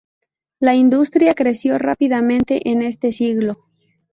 La industria creció rápidamente en este siglo.